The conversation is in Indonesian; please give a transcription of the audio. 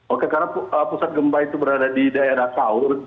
oke karena pusat gempa itu berada di daerah sahur